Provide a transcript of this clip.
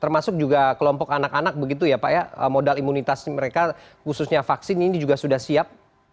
termasuk juga kelompok anak anak begitu ya pak ya modal imunitas mereka khususnya vaksin ini juga sudah siap